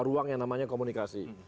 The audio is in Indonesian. ruang yang namanya komunikasi